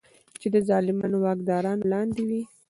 چې د ظالمو واکدارانو لاندې وي.